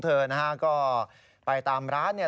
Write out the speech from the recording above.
แล้วได้เค้าก็ไปตามร้าน